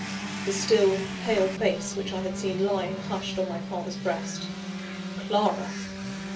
The still, pale face which I had seen lying hushed on my father's breast CLARA!